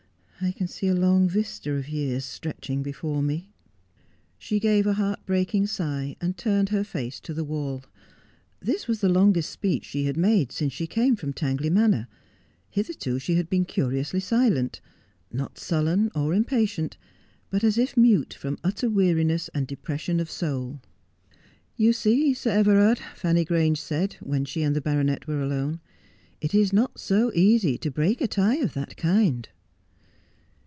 I can see a long vista of years stretching before me.' She gave a heart breaking sigh, and turned her face to the wall. This was the longest speech she had made since she came from Tangley Manor. Hitherto she had been curiously silent ; not sullen or impatient, but as if mute from utter weariness and depression of soul. ' You see, Sir Everard,' Fanny Grange said, when she and the baronet were alone, 'it is not so easy to break a tie of that kind.'